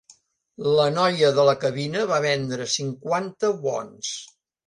La noia de la cabina va vendre cinquanta bons.